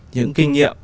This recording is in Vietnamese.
những kinh nghiệm